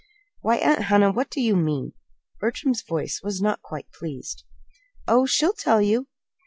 "Why, Aunt Hannah, what do you mean?" Bertram's voice was not quite pleased. "Oh, she'll tell you.